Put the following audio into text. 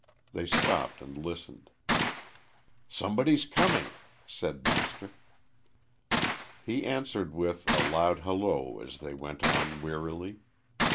They stopped and listened. "Somebody coming," said Master. He answered with, a loud halloo as they went on wearily.